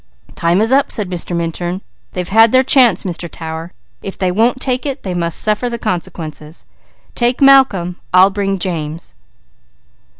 "Time is up!" said Mr. Minturn. "They've had their chance, Mr. Tower. If they won't take it, they must suffer the consequences. Take Malcolm, I'll bring James."